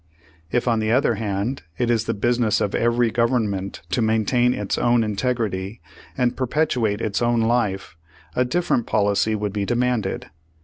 If, on the other hand, it is the business of every government to maintain its own integrity, and perpetuate its own life, a different policy would be demai^dcd.